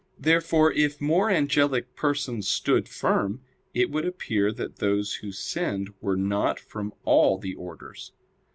Therefore if more angelic persons stood firm, it would appear that those who sinned were not from all the orders.